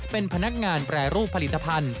เป็นพนักงานแปรรูปผลิตภัณฑ์